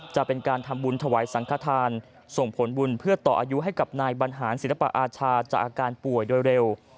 จะเป็นการทำบุญถวายสังขทานส่งผลบุญเพื่อต่ออายุให้กับนายบรรหารศิลปอาชาจากอาการป่วยโดยเร็ว